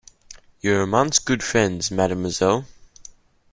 You are amongst good friends, mademoiselle.